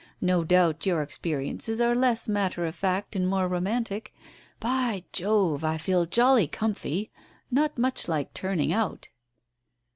No doubt your experiences are less matter of fact and more romantic. By Jove, I feel jolly comfy. Not much like turning out."